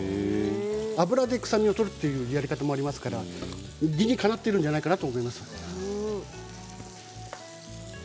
油で臭みを取るというやり方もありますから理にかなっているんじゃないかなと思います。